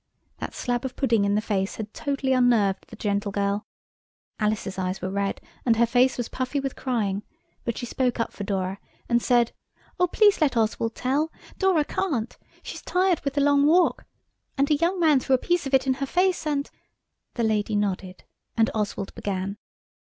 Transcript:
That slab of pudding in the face had totally unnerved the gentle girl. Alice's eyes were red, and her face was puffy with crying; but she spoke up for Dora and said– "Oh, please let Oswald tell. Dora can't. She's tired with the long walk. And a young man threw a piece of it in her face, and–" The lady nodded and Oswald began.